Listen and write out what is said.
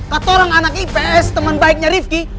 katorang anak ips temen baiknya riffky